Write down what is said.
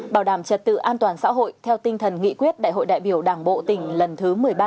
bảo đảm trật tự an toàn xã hội theo tinh thần nghị quyết đại hội đại biểu đảng bộ tỉnh lần thứ một mươi ba